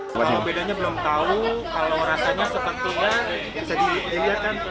cuma bedanya belum tahu kalau rasanya sepertinya bisa dilihat kan